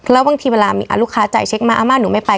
แล้วบางทีเวลามีลูกค้าจ่ายเช็คมาอาม่าหนูไม่ไป